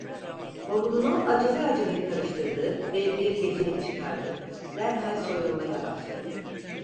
Bavulunu acele acele karıştırdı ve bir gecelik çıkardı; derhal soyunmaya başladı.